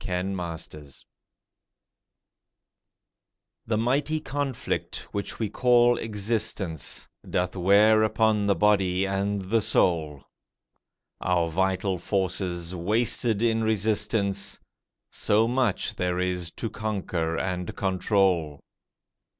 RESPITE The mighty conflict, which we call existence, Doth wear upon the body and the soul, Our vital forces wasted in resistance, So much there is to conquer and control.